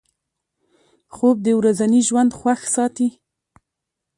خوب د ورځني ژوند خوښ ساتي